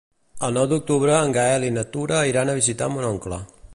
El nou d'octubre en Gaël i na Tura iran a visitar mon oncle.